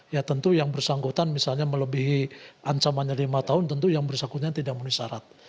ya tentu yang bersangkutan misalnya melebihi ancamannya lima tahun tentu yang bersangkutan tidak menulis syarat